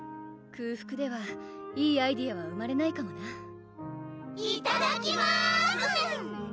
空腹ではいいアイデアは生まれないかもないただきます